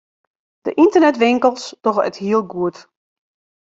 De ynternetwinkels dogge it heel goed.